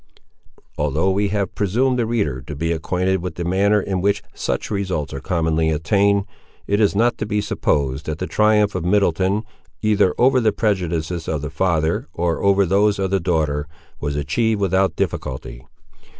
Although we have presumed the reader to be acquainted with the manner in which such results are commonly attained, it is not to be supposed that the triumph of Middleton, either over the prejudices of the father or over those of the daughter, was achieved without difficulty.